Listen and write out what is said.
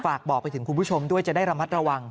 ฝากบอกไปถึงคุณผู้ชมด้วยจะได้ระมัดระวัง